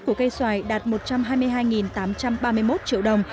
của cây xoài đạt một trăm hai mươi hai tám trăm ba mươi một triệu đồng